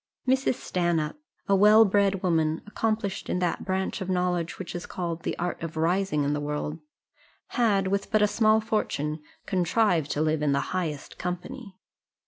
Mrs. Stanhope, a well bred woman, accomplished in that branch of knowledge which is called the art of rising in the world, had, with but a small fortune, contrived to live in the highest company.